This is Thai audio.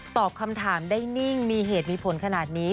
ตอบคำถามได้นิ่งมีเหตุมีผลขนาดนี้